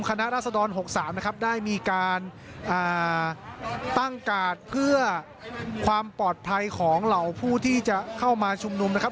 ราศดร๖๓นะครับได้มีการตั้งกาดเพื่อความปลอดภัยของเหล่าผู้ที่จะเข้ามาชุมนุมนะครับ